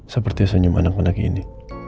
seperti senyum anak anak ini